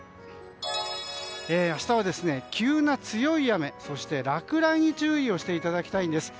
明日は急な強い雨そして落雷に注意をしていただきたいんです。